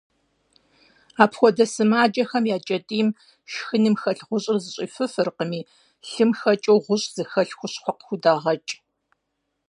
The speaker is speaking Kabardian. Апхуэдэ сымаджэхэм я кӏэтӏийм шхыным хэлъ гъущӏыр зыщӏифыфыркъыми, лъым хакӏэу гъущӏ зыхэлъ хущхъуэ къыхудагъэкӏ.